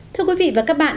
thưa quý vị và các bạn